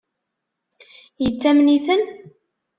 Yettamen-iten?